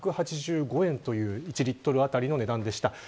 １８５円という１リットル当たりの値段でした。